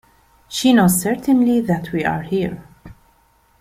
She knows certainly that we are here.